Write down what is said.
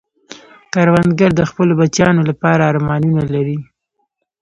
کروندګر د خپلو بچیانو لپاره ارمانونه لري